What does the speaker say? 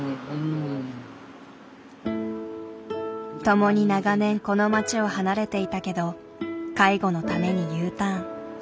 共に長年この町を離れていたけど介護のためにＵターン。